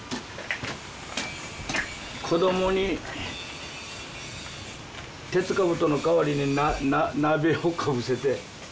子供に鉄かぶとの代わりに鍋をかぶせて。